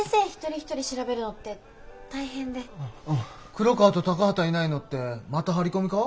黒川と高畑いないのってまた張り込みか？